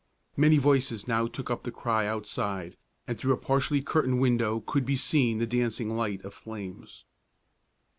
Many voices now took up the cry outside, and through a partially curtained window could be seen the dancing light of flames.